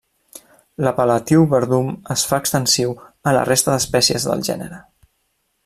L'apel·latiu verdum es fa extensiu a la resta d'espècies del gènere.